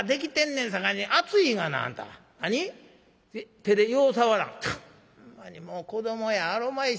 『手でよう触らん』ほんまにもう子どもやあるまいし。